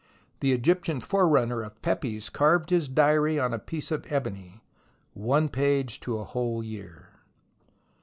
The Egyptian forerunner of Pepys carved his diary on a piece of ebony, one page to a whole year